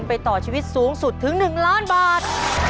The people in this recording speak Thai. ต่อชีวิตสูงสุดถึง๑ล้านบาท